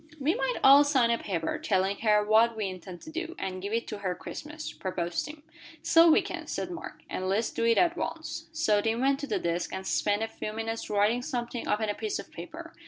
"We might all sign a paper, telling her what we intend to do, and give it to her Christmas," proposed Tim. "So we can," said Mark, "and let's do it at once." So Tim went to the desk, and spent a few minutes writing something upon a piece of paper.